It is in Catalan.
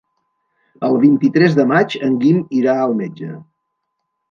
El vint-i-tres de maig en Guim irà al metge.